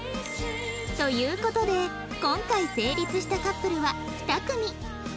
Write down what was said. という事で今回成立したカップルは２組